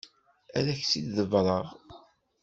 Ad ak-tt-id-ḍebbreɣ.